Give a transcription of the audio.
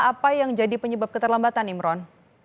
apa yang jadi penyebab keterlambatan imron